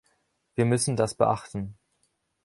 Wir müssen das beachten.